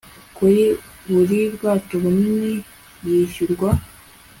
kuri buri bwato bunini yishyurwa